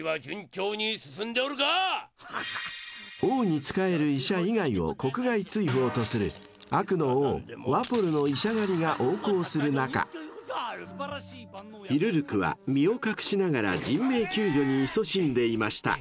［王に仕える医者以外を国外追放とする悪の王ワポルの医者狩りが横行する中ヒルルクは身を隠しながら人命救助にいそしんでいました］